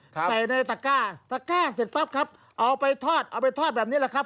ใส่ในตะก้าตะก้าเสร็จปั๊บครับเอาไปทอดเอาไปทอดแบบนี้แหละครับ